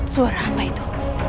suara apa itu